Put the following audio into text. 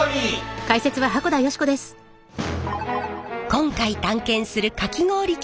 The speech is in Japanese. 今回探検するかき氷機